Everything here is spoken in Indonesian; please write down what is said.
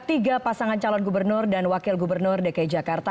tiga pasangan calon gubernur dan wakil gubernur dki jakarta